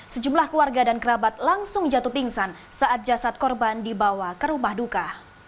sejumlah keluarga dan kerabat langsung jatuh pingsan saat jasad korban dibawa ke rumah duka